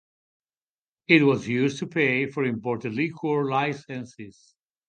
It was used to pay for imported liquor licences.